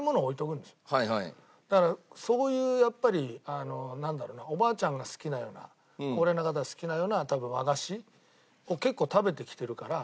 だからそういうやっぱりなんだろうなおばあちゃんが好きなような俺の中では好きなような多分和菓子を結構食べてきてるから。